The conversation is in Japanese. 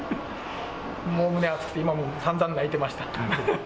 もう胸が熱くて、今もさんざん泣いてました。